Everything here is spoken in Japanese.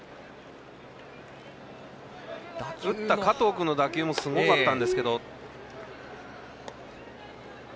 打った加藤君の打球もすごかったんですけど。